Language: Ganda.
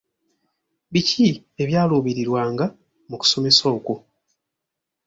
Biki ebyaluubirirwanga mu kusomesa okwo?